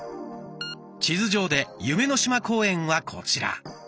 地図上で「夢の島公園」はこちら。